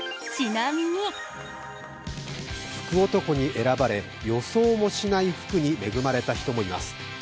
福男に選ばれ、予想もしない福に恵まれた人もいます。